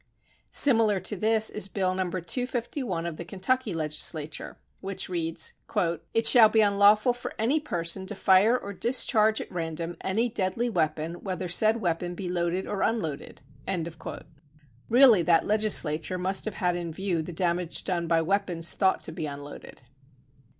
Similar to this is bill No. 251 of the Ken tucky legislature which reads: It shall be unlawful for any person to fire or discharge at random any deadly weapon whether said weapon be loaded or unloaded." Really that legislature must have had in view the damage done by weapons thought to be un loaded.